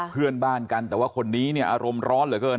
เพื่อนบ้านกันแต่ว่าคนนี้เนี่ยอารมณ์ร้อนเหลือเกิน